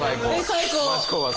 最高！